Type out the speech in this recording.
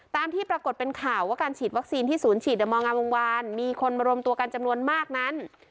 ที่ปรากฏเป็นข่าวว่าการฉีดวัคซีนที่ศูนย์ฉีดมองาวงวานมีคนมารวมตัวกันจำนวนมากนั้น